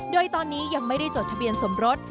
โดยตอนนี้ยังไม่ได้จดทะเบียนสมรส